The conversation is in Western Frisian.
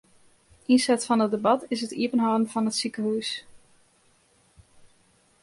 Ynset fan it debat is it iepenhâlden fan it sikehús.